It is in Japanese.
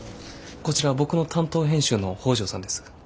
こちら僕の担当編集の北條さんです。